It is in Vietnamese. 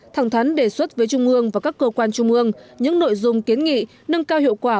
thẳng thắn đề xuất với trung ương và các cơ quan trung ương những nội dung kiến nghị nâng cao hiệu quả